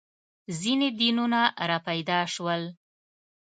• ځینې دینونه راپیدا شول.